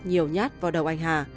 nhiều nhát vào đầu anh hà